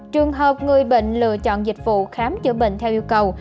trường hợp người bệnh lựa chọn dịch vụ khám chữa bệnh theo yêu cầu